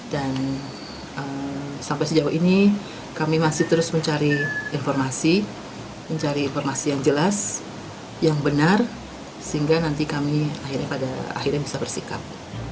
sampai sejauh ini kami masih terus mencari informasi mencari informasi yang jelas yang benar sehingga nanti kami pada akhirnya bisa bersikap